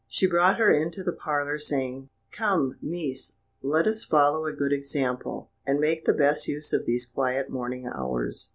She brought her into the parlour, saying: "Come, niece, let us follow a good example, and make the best use of these quiet morning hours."